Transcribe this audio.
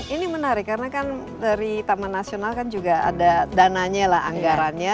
ini menarik karena kan dari taman nasional kan juga ada dananya lah anggarannya